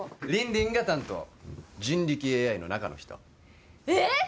凜々が担当人力ＡＩの中の人えーっ！？